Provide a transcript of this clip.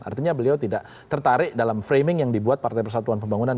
artinya beliau tidak tertarik dalam framing yang dibuat partai persatuan pembangunan